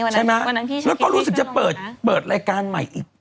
และเปิดรายการใหม่มาอีก